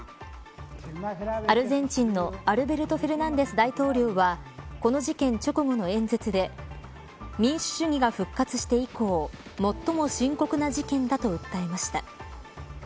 アルゼンチンのアルベルト・フェルナンデス大統領はこの事件直後の演説で民主主義が復活して以降最も深刻な事件だと訴えました。